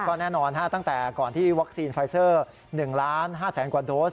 ก็แน่นอนตั้งแต่ก่อนที่วัคซีนไฟเซอร์๑ล้าน๕แสนกว่าโดส